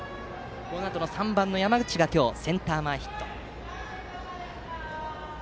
このあと３番、山口が今日、センター前ヒット。